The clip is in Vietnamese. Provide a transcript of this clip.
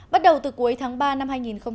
bắt đầu từ cuối tháng ba năm hai nghìn một mươi sáu